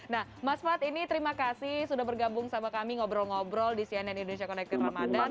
nah mas fad ini terima kasih sudah bergabung sama kami ngobrol ngobrol di cnn indonesia connected ramadhan